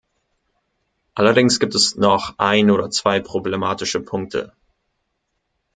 Allerdings gibt es noch ein oder zwei problematische Punkte.